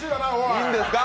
いいんですか？